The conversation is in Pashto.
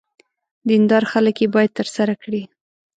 دیندار خلک یې باید ترسره کړي.